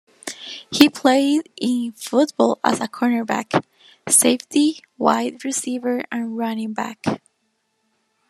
He played in football as a cornerback, safety, wide receiver, and running back.